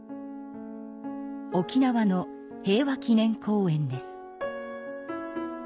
沖縄の平和祈念公園です。